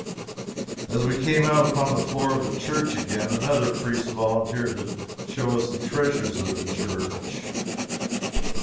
As we came out upon the floor of the church again, another priest volunteered to show us the treasures of the church.